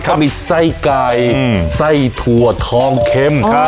ก็มีไส้ไก่อืมไส้ถั่วทองเค็มอ๋อ